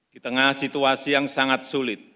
ketengah situasi yang sangat sulit